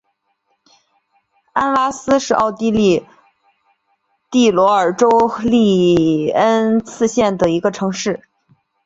安拉斯是奥地利蒂罗尔州利恩茨县的一个市镇。